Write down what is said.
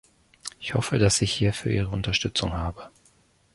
Ich hoffe, dass ich hierfür Ihre Unterstützung habe.